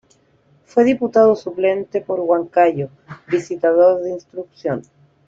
Fue diputado suplente por Huancayo, visitador de instrucción.